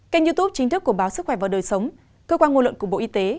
kênh youtube chính thức của báo sức khỏe và đời sống cơ quan ngôn luận của bộ y tế